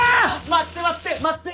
待って待って待って。